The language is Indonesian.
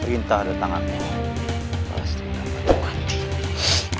kalian berdua beranggi dari sini